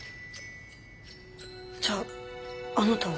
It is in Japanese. じゃああなたは。